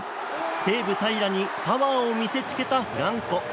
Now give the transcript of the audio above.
西武、平良にパワーを見せつけたフランコ。